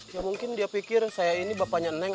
ya mungkin dia pikir saya ini bapaknya neng